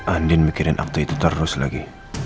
andin mikirin apto itu terus lagi